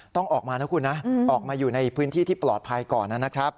ต้องออกมานะคุณนะออกมาอยู่ในพื้นที่ที่ปลอดภัยก่อนนะครับ